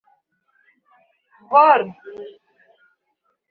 Vol